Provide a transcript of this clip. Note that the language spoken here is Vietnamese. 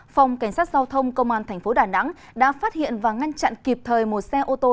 phòng cảnh sát giao thông công an tp đà nẵng đã phát hiện và ngăn chặn kịp thời một xe ô tô